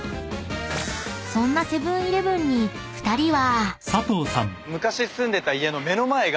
［そんなセブン−イレブンに２人は］